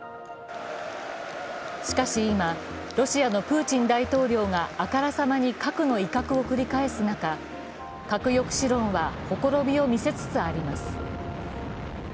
しかし今、ロシアのプーチン大統領があからさまに核の威嚇を繰り返す中、核抑止論はほころびを見せつつあります。